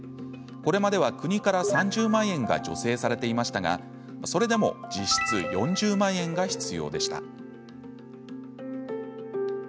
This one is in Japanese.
これまでは、国から３０万円が助成されていましたがそれでも実質４０万円が必要でした。